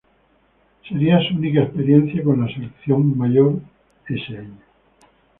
Seria su única experiencia con la selección mayor ese año.